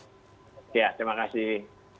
ya terima kasih